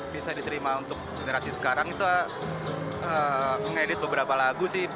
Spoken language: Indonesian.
bisa diterima untuk generasi sekarang itu ngedit beberapa lagu sih